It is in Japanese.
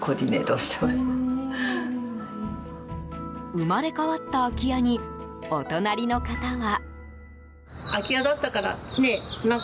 生まれ変わった空き家にお隣の方は。